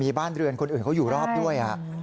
มีบ้านเรือนคนอื่นเขาอยู่รอบด้วย